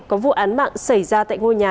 có vụ án mạng xảy ra tại ngôi nhà